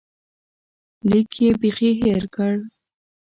لیک یې بیخي هېر کړ.